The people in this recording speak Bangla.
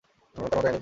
তার মাতা অ্যানি পকক।